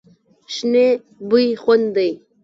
شنې بوی خوند دی.